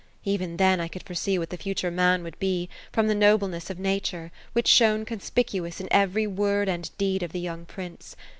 Even then I could foresee what the future man would be, from the nobleness of nature, which shone conspicuous in every word and deed of the young prince.